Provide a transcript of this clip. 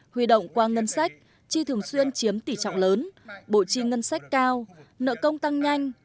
huy động qua ngân sách chi thường xuyên chiếm tỷ trọng lớn bộ chi ngân sách cao nợ công tăng nhanh